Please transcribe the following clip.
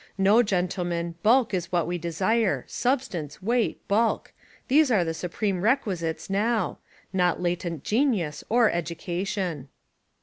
No, gentlemen, bulk is what we desire, — substance, weight, bulk, — these are the supreme requisites now — not latent genius or edu cation."